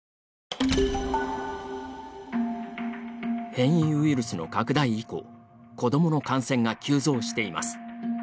変異ウイルスの拡大以降子どもの感染が急増しています。